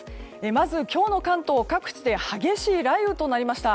まず今日の関東各地で激しい雷雨となりました。